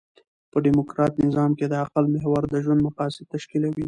په ډيموکراټ نظام کښي د عقل محور د ژوند مقاصد تشکیلوي.